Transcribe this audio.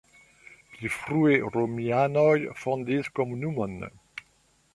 Pli frue romianoj fondis komunumon.